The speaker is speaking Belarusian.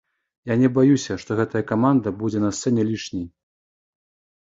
Я не баюся, што гэтая каманда будзе на сцэне лішняй.